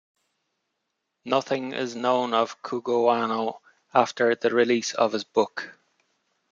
Nothing is known of Cugoano after the release of his book.